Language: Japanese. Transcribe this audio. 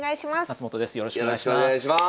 よろしくお願いします。